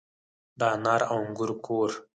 د انار او انګور کور.